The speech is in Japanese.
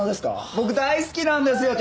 僕大好きなんですよ！